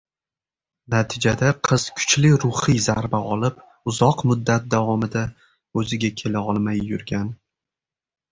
natijada qiz kuchli ruhiy zarba olib, uzoq muddat davomida o‘ziga kela olmay yurgan.